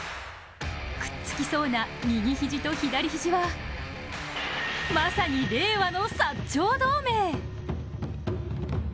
くっつきそうな右肘と左肘は、まさに令和の薩長同盟。